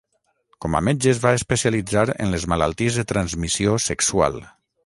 Com a metge es va especialitzar en les malalties de transmissió sexual.